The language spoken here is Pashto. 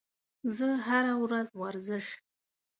زه هره ورځ ورزش